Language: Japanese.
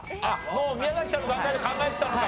もう宮崎さんの段階で考えてたのか。